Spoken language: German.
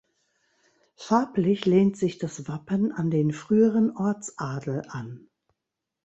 Farblich lehnt sich das Wappen an den früheren Ortsadel an.